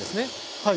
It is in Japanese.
はい。